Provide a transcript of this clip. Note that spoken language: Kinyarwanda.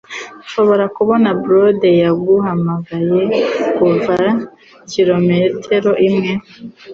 Nshobora kubona blonde yahumanye kuva kilometero imwe